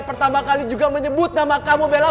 pertama kali juga menyebut nama kamu bella